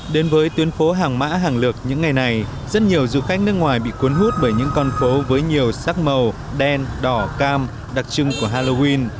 đến với tuyến phố hàng mã hàng lược những ngày này rất nhiều du khách nước ngoài bị cuốn hút bởi những con phố với nhiều sắc màu đen đỏ cam đặc trưng của halloween